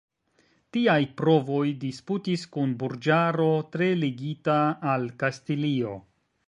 Tiaj provoj disputis kun burĝaro, tre ligita al Kastilio.